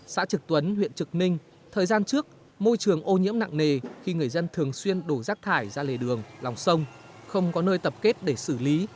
xã trực tuấn huyện trực ninh thời gian trước môi trường ô nhiễm nặng nề khi người dân thường xuyên đổ rác thải ra lề đường lòng sông không có nơi tập kết để xử lý